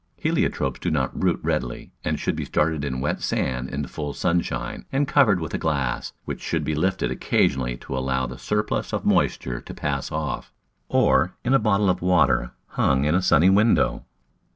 Heliotropes do not root readily and should be started in wet sand in full sunshine and covered with a glass, which should be lifted occasionally to allow the sur plus moisture to pass off, or in a bottle of water hung in a sunny window.